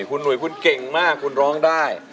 คุณหนุ่ยคุณเก่งมากคุณร้องได้